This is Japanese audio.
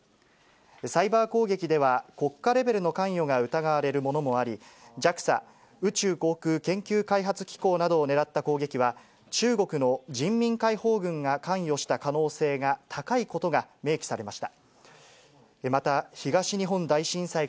サイバー攻撃では国家レベルの関与が疑われるものもあり、ＪＡＸＡ・宇宙航空研究開発機構などを狙った攻撃は、中国の人民解放軍が関与した可能性が高いことが明記されました。